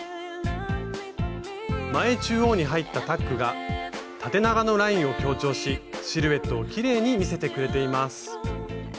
前中央に入ったタックが縦長のラインを強調しシルエットをきれいに見せてくれています。